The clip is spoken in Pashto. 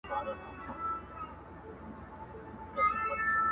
د ټولو ورور دی له بازاره سره لوبي کوي!